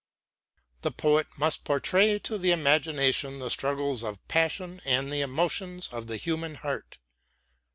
The poet must portray to the imagination the struggles of passion and the emotions of the human heart.